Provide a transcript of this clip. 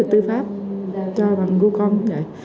tư pháp cho bằng google cũng vậy